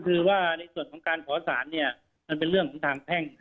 คือว่าในส่วนของการขอสารเนี่ยมันเป็นเรื่องของทางแพ่ง